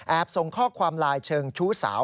แอบส่งข้อความลายเชิงชู้สาว